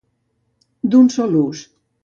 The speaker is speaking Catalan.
D'un sol ús.